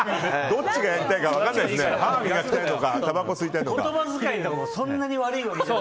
どっちがやりたいのか分からないですね。